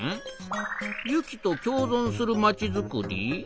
「雪と共存するまちづくり」？